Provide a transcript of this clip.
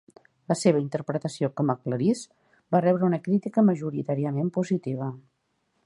La seva interpretació com a Clarisse va rebre una crítica majoritàriament positiva.